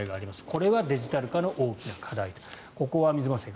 これはデジタル化の大きな課題。